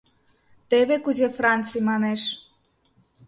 Теве кузе Франций манеш.